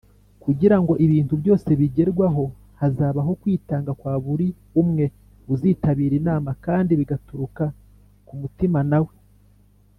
kugira ngo ibintu byose bigerwaho hazabaho kwitanga kwa buri umwe uzitabira inama kandi bigaturuka ku mutima nawe.